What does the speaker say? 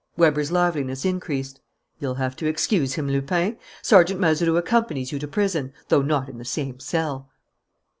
Weber's liveliness increased. "You'll have to excuse him, Lupin. Sergeant Mazeroux accompanies you to prison, though not in the same cell."